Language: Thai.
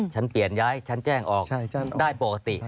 ฉันเปลี่ยนย้ายฉันแจ้งออกได้ปกติ